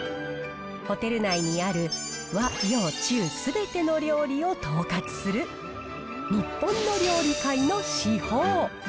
ホテル内にある和洋中すべての料理を統括する、日本の料理界の至宝。